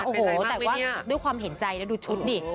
โอ้โหแต่ว่าด้วยความเห็นใจแล้วดูชุดดิ